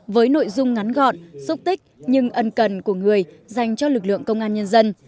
với nội dung ngắn gọn xúc tích nhưng ân cần của người dành cho lực lượng công an nhân dân